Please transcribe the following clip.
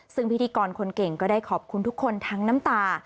ซึ่งพิธีกรคนเก่งก็ได้ขอบคุณทุกคนทั้งน้ำตา